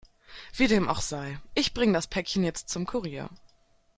Wie dem auch sei, ich bringe das Päckchen jetzt zum Kurier.